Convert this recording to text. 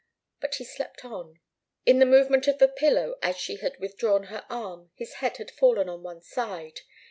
But he slept on. In the movement of the pillow as she had withdrawn her arm, his head had fallen on one side.